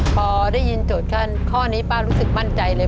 พอได้ยินโจทย์ข้อนี้ป้ารู้สึกมั่นใจเลย